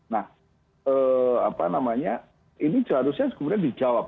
nah ini seharusnya segera dijawab